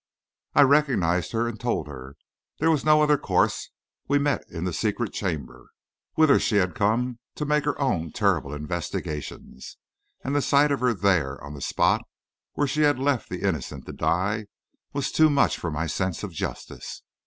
"I recognized her and told her. There was no other course. We met in the secret chamber, whither she had come to make her own terrible investigations; and the sight of her there, on the spot where she had left the innocent to die, was too much for my sense of justice.